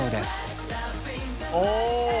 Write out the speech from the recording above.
お！